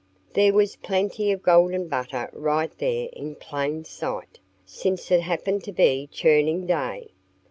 There was plenty of golden butter right there in plain sight, since it happened to be churning day.